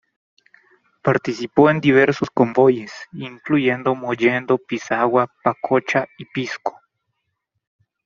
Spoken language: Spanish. Participó en diversos convoyes, incluyendo Mollendo, Pisagua, Pacocha y Pisco.